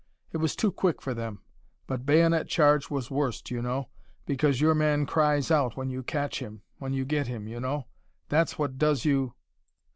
It was too quick for them But bayonet charge was worst, you know. Because your man cries out when you catch him, when you get him, you know. That's what does you....